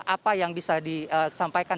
apa yang bisa disampaikan